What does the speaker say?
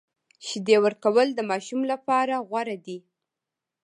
شیدې ورکول د ماشوم لپاره غوره دي۔